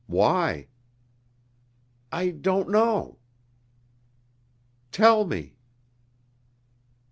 "Why?" "I don't know." "Tell me...."